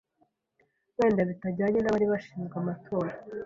wenda bitajyanye n’abari bashinzwe amatora